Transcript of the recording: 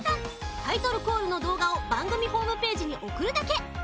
タイトルコールのどうがをばんぐみホームページにおくるだけ。